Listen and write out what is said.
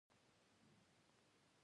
آیا پنځه کلن پلانونه لرو؟